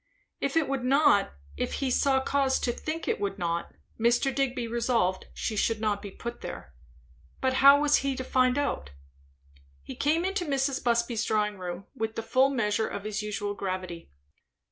If it would not, if he saw cause to think it would not, Mr. Digby resolved she should not be put there. But how was he to find out? He came into Mrs. Busby's drawing room with the full measure of his usual gravity.